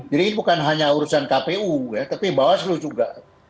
jadi ini bukan hanya urusan kpu ya tapi bawah suluh juga